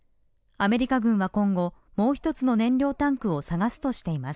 アメリカ軍は今後、もう１つの燃料タンクを探すとしています。